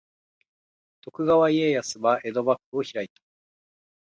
徳川家康は江戸幕府を開いた。